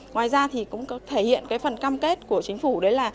ngoài ra cũng thể hiện phần cam kết của chính phủ